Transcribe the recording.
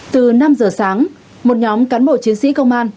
từ năm giờ sáng một nhóm cán bộ chiến sĩ công an